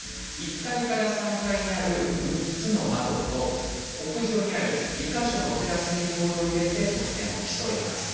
１階から３階にある６つの窓と屋上にある２か所のテラスにボールを入れて得点を競います。